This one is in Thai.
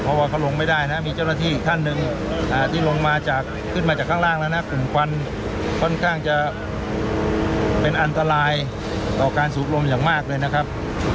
เพราะว่าเขาลงไม่ได้นะมีเจ้าหน้าที่อีกท่านหนึ่งที่ลงมาจากขึ้นมาจากข้างล่างแล้วนะกลุ่มควันค่อนข้างจะเป็นอันตรายต่อการสูบลมอย่างมากเลยนะครับ